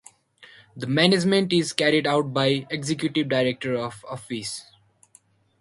The management is carried out by the executive director of the Office.